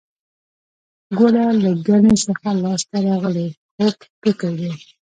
ګوړه له ګني څخه لاسته راغلی خوږ توکی دی